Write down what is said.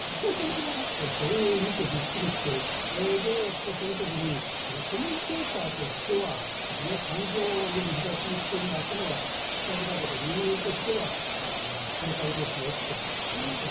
そうそれ見てびっくりしてで私がその時に「コメンテーターとしてはそんな感情をむき出しにして泣くのは失格だけど人間としては正解ですよ」って話をあの時したんだよね。